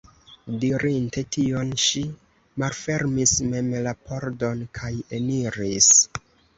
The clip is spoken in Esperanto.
Dirinte tion, ŝi malfermis mem la pordon kaj eniris.